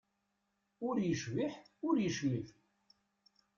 Ur yecbiḥ ur yecmit.